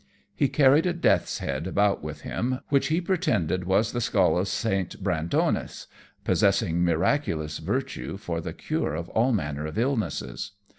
He carried a death's head about with him, which he pretended was the skull of Saint Brandonis, possessing miraculous virtue for the cure of all manner of illnesses.